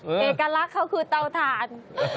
เอกลักษณ์เขาคือเตาถ่าน